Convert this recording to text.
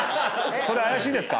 それ怪しいですか？